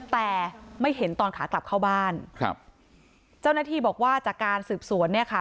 แต่ไม่เห็นตอนขากลับเข้าบ้านครับเจ้าหน้าที่บอกว่าจากการสืบสวนเนี่ยค่ะ